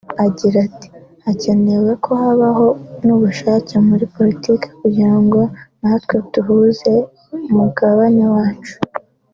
Agira ati “Hakenewe ko habaho n’ubushake muri politiki kugira ngo natwe duhuze umugabane wacu